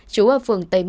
chú ở phường tây mỗ